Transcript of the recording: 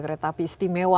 kereta api istimewa